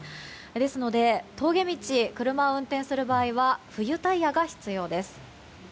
ですので、峠道で車を運転する場合は冬タイヤが必要です。